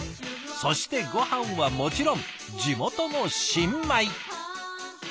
そしてごはんはもちろん地元の新米！